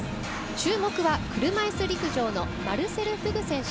注目は、車いす陸上のマルセル・フグ選手。